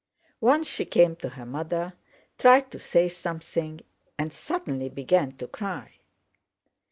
Once she came to her mother, tried to say something, and suddenly began to cry.